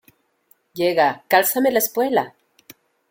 llega, cálzame la espuela.